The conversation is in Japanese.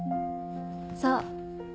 そう。